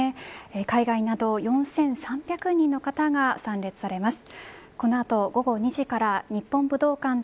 海外など４３００人の方が参列されます。